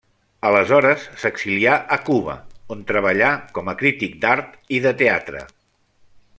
Aleshores s'exilià a Cuba, on treballà com a crític d'art i de teatre.